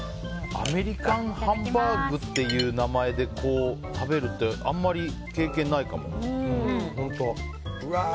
アメリカンハンバーグっていう名前で食べるってあまり経験ないかも。